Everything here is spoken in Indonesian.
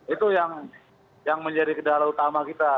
itu yang menjadi kendala utama kita